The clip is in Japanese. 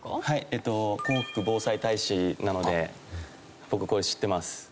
えっと港北区防災大使なので僕これ知ってます。